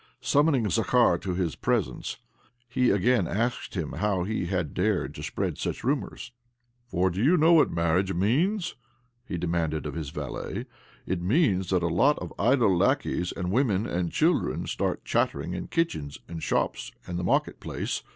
Summoning. Zakhar to his presence, he again asked him how he had dared to spread such rumours. "For do you know what marriage means?" he demanded of his valet. "It means that a lot of idle lacqueys and women and children start chattering in kitchens and shops and the market place.